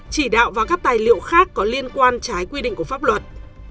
chỉ đạo và các tài liệu khác có liên quan trái quy định của pháp luật